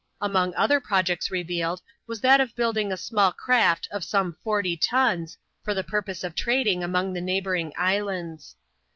Among other projects revealed, was that of building a^ small craft of some forty tons, for the purpose of trading among the neighbouring islands.